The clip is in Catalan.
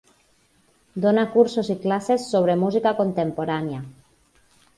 Dona cursos i classes sobre música contemporània.